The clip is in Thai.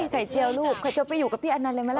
ไข่เจียวลูกไข่เจียวไปอยู่กับพี่อานันต์เลยมั้ยล่ะ